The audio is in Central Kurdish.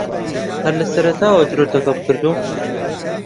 ھەر لە سەرەتاوە درۆت لەگەڵ کردووم.